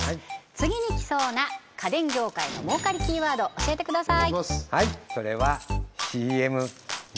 次にきそうな家電業界の儲かりキーワード教えてください